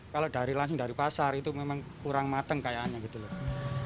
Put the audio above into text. kalau langsung dari pasar itu memang kurang matang kayaknya gitu loh